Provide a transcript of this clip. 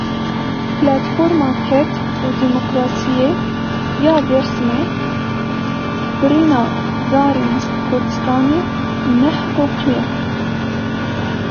Platforma Ked û Demokrasiyê ya Dêrsimê: Birîna darên Kurdistanê ne hiqûqî ye.